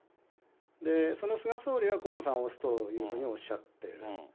その菅総理は河野さんを推すというふうにおっしゃっている。